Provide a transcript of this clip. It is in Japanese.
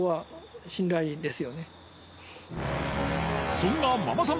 そんなママさん